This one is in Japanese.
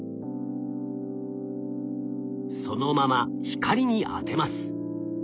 そのまま光に当てます。